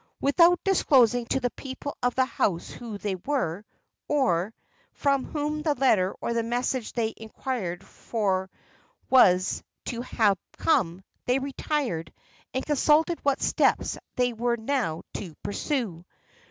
Without disclosing to the people of the house who they were, or from whom the letter or the message they inquired for was to have come, they retired, and consulted what steps they were now to pursue.